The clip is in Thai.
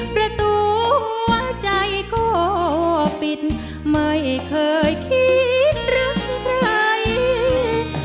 ประตูหัวใจก็ปิดไม่เคยคิดรักใคร